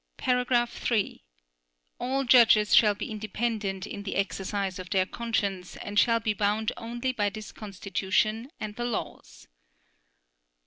(3) All judges shall be independent in the exercise of their conscience and shall be bound only by this Constitution and the laws.